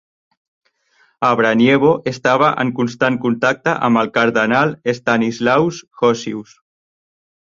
A Braniewo estava en constant contacte amb el cardenal Stanislaus Hosius.